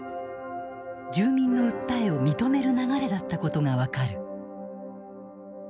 住民の訴えを認める流れだったことが分かる。